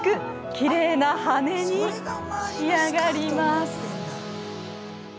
きれいな羽根に仕上がります。